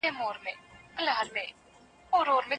افغان لیکوالان د بهرنیو اقتصادي مرستو پوره حق نه لري.